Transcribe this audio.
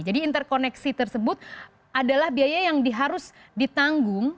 jadi interkoneksi tersebut adalah biaya yang harus ditanggung